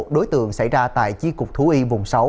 một đối tượng xảy ra tại chi cục thú y vùng sáu